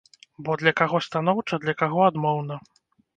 Бо для каго станоўча, для каго адмоўна?